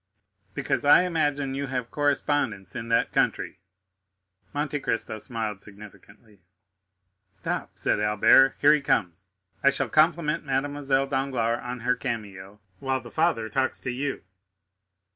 "Because I imagine you have correspondents in that country." Monte Cristo smiled significantly. "Stop," said Albert, "here he comes. I shall compliment Mademoiselle Danglars on her cameo, while the father talks to you."